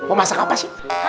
mau masak apa sih